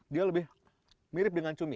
dia lebih mirip dengan cumi